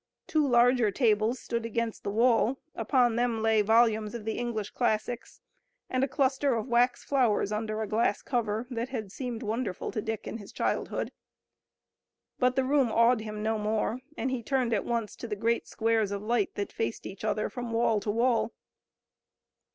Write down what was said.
Two larger tables stood against the wall. Upon them lay volumes of the English classics, and a cluster of wax flowers under a glass cover, that had seemed wonderful to Dick in his childhood. But the room awed him no more, and he turned at once to the great squares of light that faced each other from wall to wall.